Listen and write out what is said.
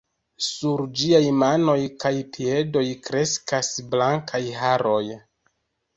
Sur ĝiaj manoj kaj piedoj kreskas blankaj haroj.